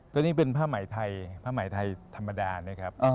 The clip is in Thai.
ตัวนี้เป็นผ้าไหมไทยผ้าไหมไทยธรรมดานะครับ